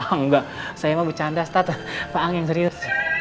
enggak saya mau bercanda pak ang yang serius